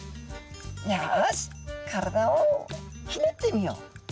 「よし体をひねってみよう」。